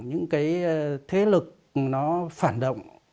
những thế lực phản động